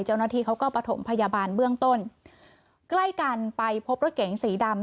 เจ้าหน้าที่เขาก็ประถมพยาบาลเบื้องต้นใกล้กันไปพบรถเก๋งสีดำ